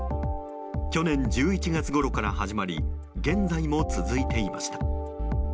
去年１１月ごろから始まり現在も続いていました。